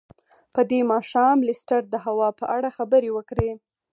په دې ماښام لیسټرډ د هوا په اړه خبرې وکړې.